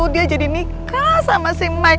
dia jadi nikah sama si mic